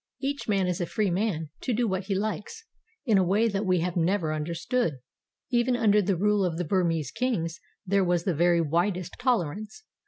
Each man is a free man to do what he likes, in a way that we have never understood. Even under the rule of the Burmese kings there was the very widest tolerance.